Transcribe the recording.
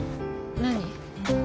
何？